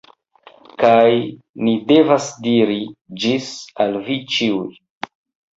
Kaj ni devas diri "Ĝis" al vi ĉiuj.